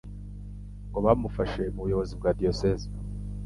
ngo bamufashe mu buyobozi bwa Diyosezi